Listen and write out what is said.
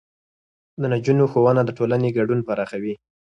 د نجونو ښوونه د ټولنې ګډون پراخوي.